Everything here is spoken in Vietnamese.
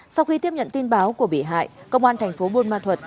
sau khi tiếp nhận tin báo của bị hại công an tp bun ma thuật